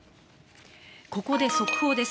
ここで速報です。